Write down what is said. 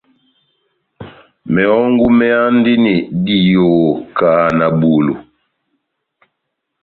Mehɔngu méhandini diyoho kahá na bulu.